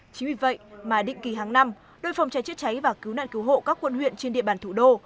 chính vì vậy mà định kỳ hàng năm đội phòng cháy chữa cháy và cứu nạn cứu hộ các quận huyện trên địa bàn thủ đô